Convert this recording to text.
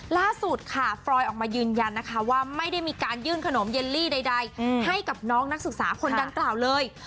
ล่าสุดค่ะฟรอยออกมายืนยันนะคะว่าไม่ได้มีการยื่นขนมเย็นลี่ใดให้กับน้องนักศึกษาคนดังกล่าวเลย